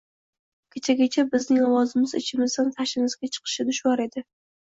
Kechagacha bizning ovozimiz ichimizdan tashimizga chiqishi dushvor edi.